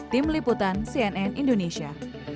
tim liputan cnn indonesia